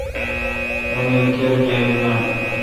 مانیل کیر گیب نان۔